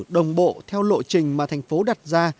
đồng bộ theo lộ trình mà thành phố đặt ra